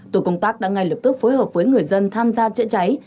tổ công tác đã ngay lập tức phối hợp với người dân tham gia chữa cháy